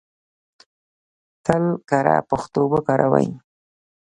تل کره پښتو وکاروئ!